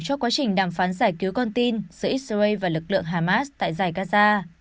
cho quá trình đàm phán giải cứu con tin giữa israel và lực lượng hamas tại giải gaza